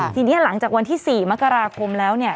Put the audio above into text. ทีนี้หลังจากวันที่๔มกราคมแล้วเนี่ย